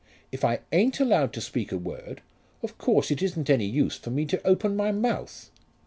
If I ain't allowed to speak a word, of course it isn't any use for me to open my mouth.